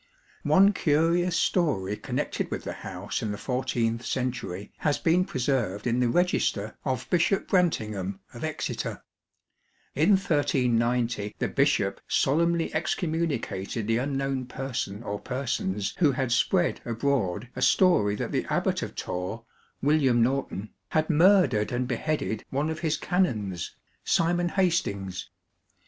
One curious story connected with the house in the fourteenth century has been preserved in the Register of Bishop Brantyngham of Exeter. In 1390 the bishop solemnly excommunicated the unknown person or per sons who had spread abroad a story that the Abbot of Torre, William Norton, had murdered and beheaded THE GREATER ABBEYS one of his canons, Simon Hastings.